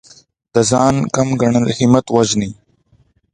د ځان کم ګڼل همت وژني.